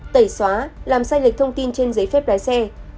tẩy xóa làm sai lệch thông tin trên giấy phép lái xe